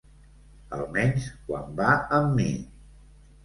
Almenys quan va amb mi.